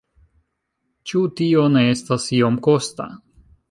Ĉu tio ne estas iom kosta?